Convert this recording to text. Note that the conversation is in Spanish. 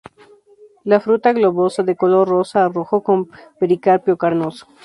La fruta globosa, de color rosa a rojo con pericarpio carnoso.